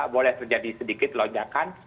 boleh terjadi sedikit lonjakan